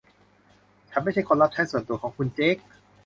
ฉันไม่ใช่คนรับใช้ส่วนตัวของคุณเจค